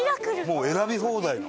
もう選び放題の。